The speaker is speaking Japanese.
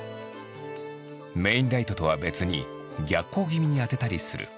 メインライトとは別に逆光気味に当てたりする。